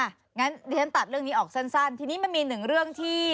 อย่างนั้นดิฉันตัดเรื่องนี้ออกสั้นทีนี้มันมีหนึ่งเรื่องที่